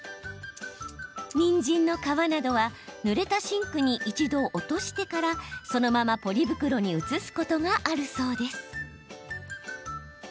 にんじんの皮などはぬれたシンクに一度落としてからそのままポリ袋に移すことがあるそうです。